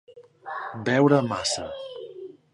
Beure massa.